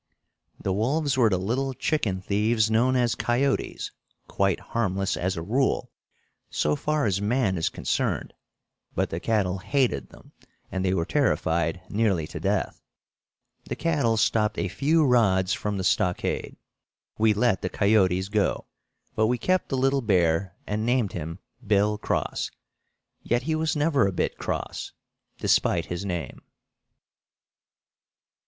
The wolves were the little chicken thieves known as coyotes, quite harmless, as a rule, so far as man is concerned, but the cattle hated them and they were terrified nearly to death. The cattle stopped a few rods from the stockade. We let the coyotes go, but we kept the little bear and named him Bill Cross. Yet he was never a bit cross, despite his name.